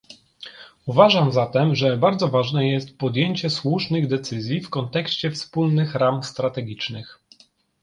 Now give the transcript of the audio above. Uważam zatem, że bardzo ważne jest podjęcie słusznych decyzji w kontekście wspólnych ram strategicznych